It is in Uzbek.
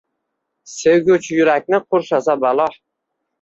Sevguvchi yurakni qurshasa balo?